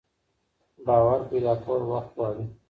باور پيدا کول وخت غواړي.